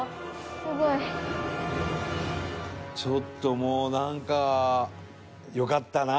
ちょっともうなんかよかったなあ